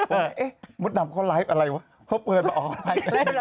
เพราะมุดดำเค้าไลฟ์อะไรวะเค้าเปิดมาออกไหม